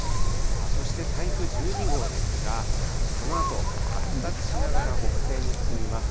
そして台風１２号ですが、このあと、発達しながら北西に進みます。